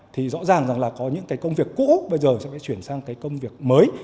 thì rõ ràng là có những công việc cũ bây giờ sẽ phải chuyển sang công việc mới